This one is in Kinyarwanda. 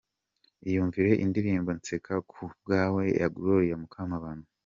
Iyumvire Indirimbo "Nseka ku bwawe ya Gloria Mukamabano.